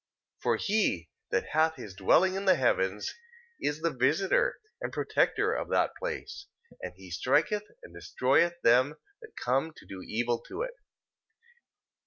3:39. For he that hath his dwelling in the heavens, is the visiter and protector of that place, and he striketh and destroyeth them that come to do evil to it.